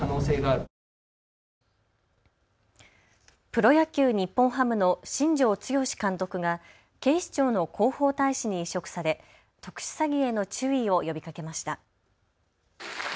プロ野球、日本ハムの新庄剛志監督が警視庁の広報大使に委嘱され特殊詐欺への注意を呼びかけました。